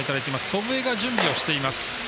祖父江が準備をしています。